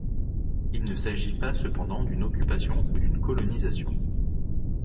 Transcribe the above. Il ne s'agit pas cependant d'une occupation ou d'une colonisation.